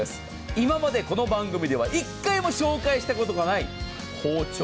今までこの番組では１回も紹介したことがない包丁。